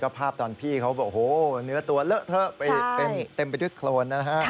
ภาพตอนพี่เขาบอกโอ้โหเนื้อตัวเลอะเทอะไปเต็มไปด้วยโครนนะฮะ